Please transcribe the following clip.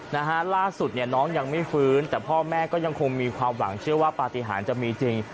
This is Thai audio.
นะฮะล่าสุดเนี่ยน้องยังไม่ฟื้นแต่พ่อแม่ก็ยังคงมีความหวังเชื่อว่าปฏิหารจะมีจริง